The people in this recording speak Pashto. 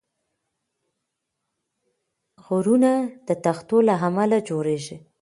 غرونه د تختو له امله جوړېږي.